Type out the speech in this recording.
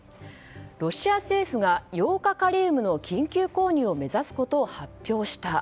ロシア政府がヨウ化カリウムの緊急購入を目指すことを発表した。